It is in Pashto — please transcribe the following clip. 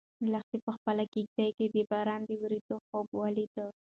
لښتې په خپلې کيږدۍ کې د باران د ورېدو خوب ولید.